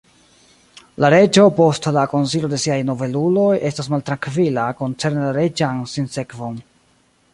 La reĝo post la konsilo de siaj nobeluloj estas maltrankvila koncerne la reĝan sinsekvon.